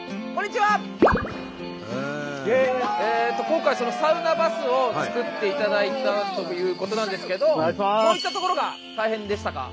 今回サウナバスを作っていただいたということなんですけどどういったところが大変でしたか？